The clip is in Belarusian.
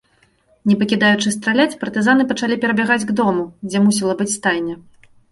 Не пакідаючы страляць, партызаны пачалі перабягаць к дому, дзе мусіла быць стайня.